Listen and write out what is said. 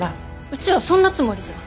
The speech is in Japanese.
うちはそんなつもりじゃ。